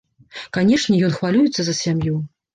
Канешне, ён хвалюецца за сям'ю.